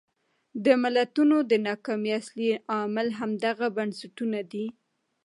د ملتونو د ناکامۍ اصلي عامل همدغه بنسټونه دي.